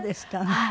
はい。